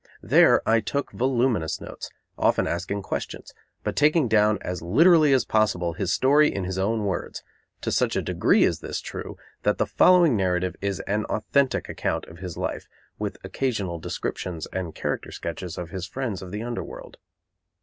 There, I took voluminous notes, often asking questions, but taking down as literally as possible his story in his own words; to such a degree is this true, that the following narrative is an authentic account of his life, with occasional descriptions and character sketches of his friends of the Under World.